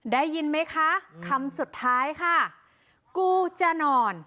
ได้ยินไหมคะคำสุดท้ายค่ะกูจะนอน